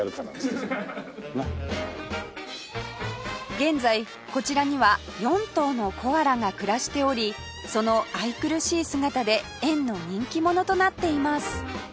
現在こちらには４頭のコアラが暮らしておりその愛くるしい姿で園の人気者となっています